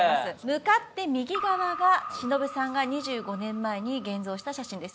向かって右側が忍さんが２５年前に現像した写真です